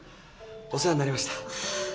お世話になりました。